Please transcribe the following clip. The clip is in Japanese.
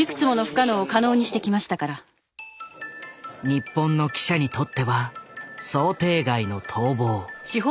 日本の記者にとっては想定外の逃亡。